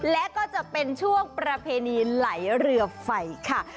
และก็จะเป็นช่วงประเพณีไหลเรือไฟค่ะ